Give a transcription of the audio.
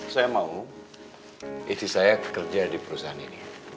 saya mau istri saya kerja di perusahaan ini